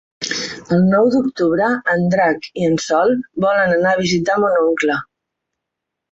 El nou d'octubre en Drac i en Sol volen anar a visitar mon oncle.